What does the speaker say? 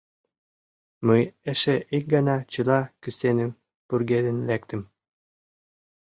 Мый эше ик гана чыла кӱсеным пургедын лектым.